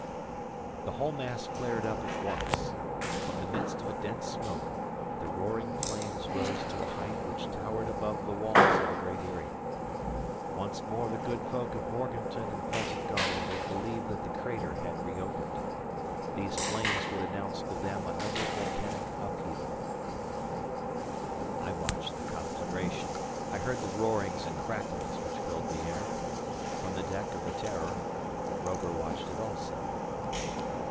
The whole mass flared up at once. From the midst of a dense smoke, the roaring flames rose to a height which towered above the walls of the Great Eyrie. Once more the good folk of Morganton and Pleasant Garden would believe that the crater had reopened. These flames would announce to them another volcanic upheaval. I watched the conflagration. I heard the roarings and cracklings which filled the air. From the deck of the "Terror," Robur watched it also.